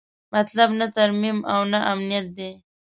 مطلب نه ترمیم او نه امنیت دی.